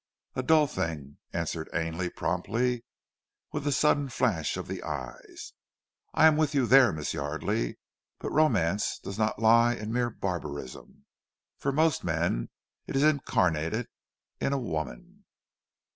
"A dull thing," answered Ainley, promptly, with a sudden flash of the eyes. "I am with you there, Miss Yardely, but romance does not lie in mere barbarism, for most men it is incarnated in a woman."